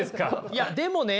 いやでもね